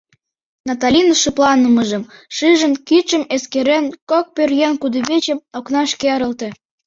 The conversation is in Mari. Наталин шыпланымыжым шижын, кидшым эскерен, кок пӧръеҥ кудывече окнаш керылте.